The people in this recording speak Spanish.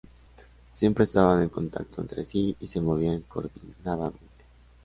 Siempre estaban en contacto entre sí y se movían coordinadamente.